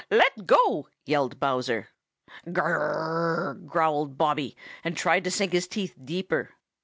Let go!" yelled Bowser. "Gr r r r r!" growled Bobby, and tried to sink his teeth deeper.